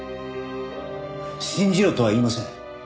信じろとは言いません。